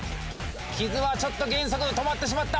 木津はちょっと減速止まってしまった。